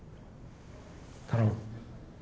頼む。